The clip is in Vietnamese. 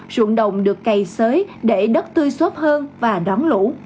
ruộng đồng được cày sới để đất tươi xốp hơn và đón lũ